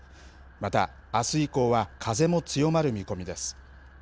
また、あす以降は風も強まる見込みです。